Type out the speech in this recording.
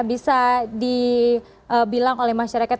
bisa dibilang oleh masyarakat